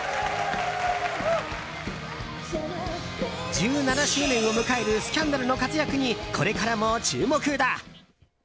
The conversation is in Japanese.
１７周年を迎えるＳＣＡＮＤＡＬの活躍にこれからも注目だ。